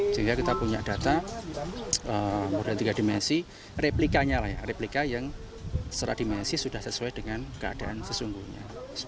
jadi kita punya data modal tiga dimensi replikanya yang secara dimensi sudah sesuai dengan keadaan sesungguhnya